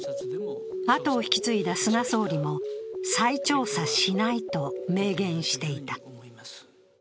後を引き継いだ菅総理も再調査しないと明言していた。